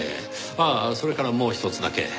ああそれからもうひとつだけ。